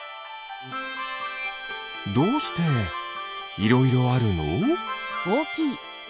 どうしていろいろあるの？